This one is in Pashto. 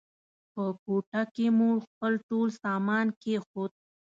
په کوټه کې مو خپل ټول سامان کېښود.